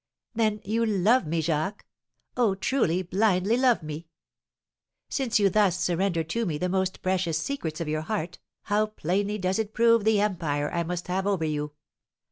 "Then you love me, Jacques, oh, truly, blindly love me! Since you thus surrender to me the most precious secrets of your heart, how plainly does it prove the empire I must have over you!